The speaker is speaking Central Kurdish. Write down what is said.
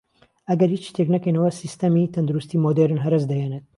ئەگەر هیچ شتێک نەکەین ئەوە سیستەمی تەندروستی مودێرن هەرەس دەهێنێت